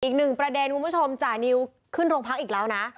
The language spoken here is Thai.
อีกหนึ่งประเด็นคุณผู้ชมจ่านิวขึ้นโรงพักอีกแล้วนะ